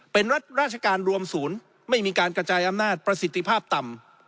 เป็นรัฐราชการรวมศูนย์ไม่มีการกระจายอำนาจประสิทธิภาพต่ำ